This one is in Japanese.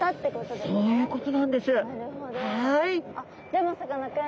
でもさかなクン